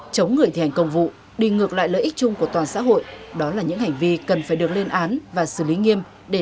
chống người thi hành công vụ đi ngược lại lợi ích chung của toàn xã hội đó là những hành vi cần phải được lên án và xử lý nghiêm